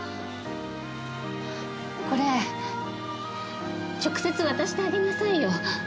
これ直接渡してあげなさいよ